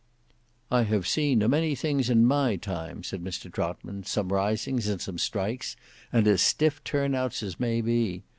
"I have seen a many things in my time," said Mr Trotman; "some risings and some strikes, and as stiff turn outs as may be.